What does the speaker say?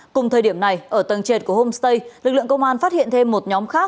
cùng thời điểm này ở tầng trệt của homestay lực lượng công an phát hiện thêm một nhóm khác